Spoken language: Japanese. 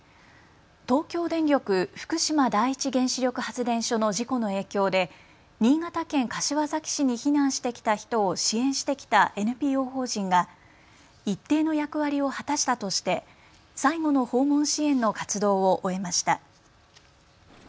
東京電力福島第一原子力発電所の事故の影響で新潟県柏崎市に避難してきた人を支援してきたＮＰＯ法人が一定の役割を果たしたとして最後の訪問支援の活動を終えました。